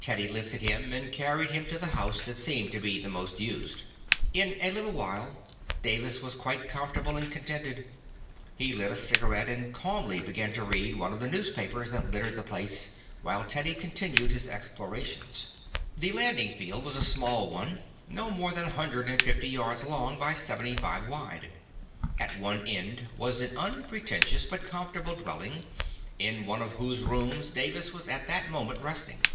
Teddy lifted him and carried him to the house that seemed to be most used. In a little while Davis was quite comfortable and contented. He lit a cigarette and calmly began to read one of the newspapers that littered the place, while Teddy continued his explorations. The landing field was a small one, no more than a hundred and fifty yards long by seventy five wide. At one end was an unpretentious but comfortable dwelling, in one of whose rooms Davis was at that moment resting.